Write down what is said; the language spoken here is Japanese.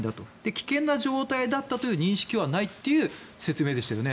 危険な状態だったという認識はないという説明でしたよね。